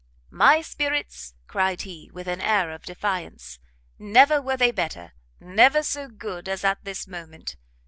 "My spirits!" cried he, with an air of defiance, "never were they better, never so good as at this moment.